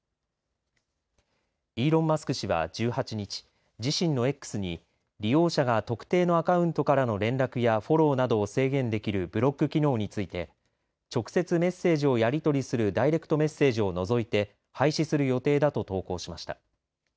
イーロン・マスク氏は１８日自身のＸに利用者が特定のアカウントからの連絡やフォローなどを制限できるブロック機能について直接メッセージをやり取りするダイレクトメッセージを除いて廃止する予定だと投稿しました。